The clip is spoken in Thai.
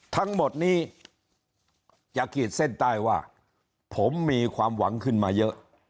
ทั้งหมดนี้จะขีดเส้นใต้ว่าผมมีความหวังขึ้นมาเยอะ